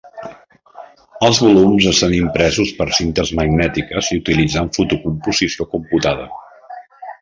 Els volums estan impresos per cintes magnètiques utilitzant fotocomposició computada.